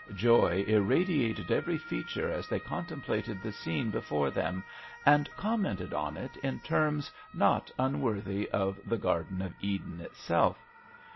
Joy irradiated every feature as they contemplated the scene before them and com mented on it in terms not unworthy of the Garden of Eden itself.